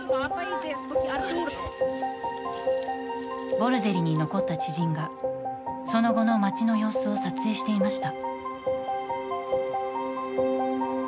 ボルゼリに残った知人がその後の町の様子を撮影していました。